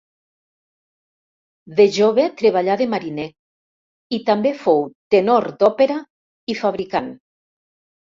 De jove treballà de mariner i també fou tenor d’òpera i fabricant.